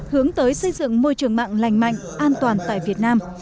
hướng tới xây dựng môi trường mạng lành mạnh an toàn tại việt nam